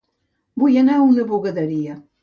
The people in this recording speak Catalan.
Vull anar a una bugaderia.